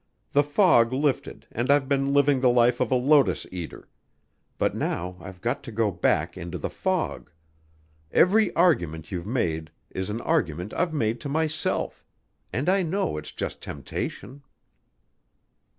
The fog lifted and I've been living the life of a lotus eater but now I've got to go back into the fog. Every argument you've made is an argument I've made to myself and I know it's just temptation."